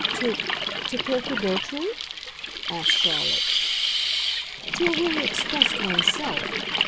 "To—to care for Gertrude?" asked Charlotte. "To have really expressed one's self.